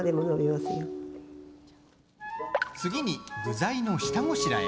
次に、具材の下ごしらえ。